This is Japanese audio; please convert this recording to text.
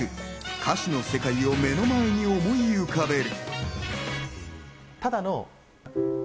歌詞の世界を目の前に思い浮かべる。